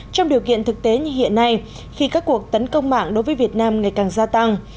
trong điều kiện thực tế như hiện nay khi các cuộc tấn công mạng đối với việt nam ngày càng gia tăng